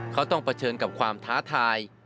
เขาต้องเผชิญกับความท้าทาย